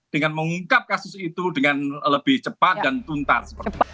dengan mengungkap kasus itu dengan lebih cepat dan tuntas